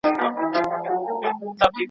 دا قضاوت یې په سپېڅلي زړه منلای نه سو.